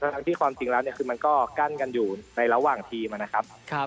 ทั้งที่ความจริงแล้วเนี่ยคือมันก็กั้นกันอยู่ในระหว่างทีมนะครับ